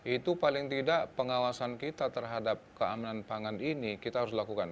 itu paling tidak pengawasan kita terhadap keamanan pangan ini kita harus lakukan